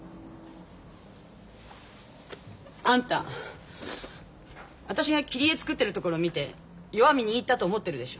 あんた私が切り絵作ってるところ見て弱み握ったと思ってるでしょ。